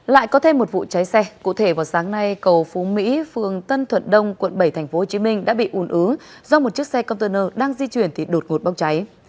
lại có thêm một vụ cháy xe cụ thể vào sáng nay cầu phú mỹ phường tân thuận đông quận bảy tp hcm đã bị ùn ứ do một chiếc xe container đang di chuyển thì đột ngột bốc cháy